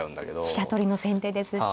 飛車取りの先手ですし。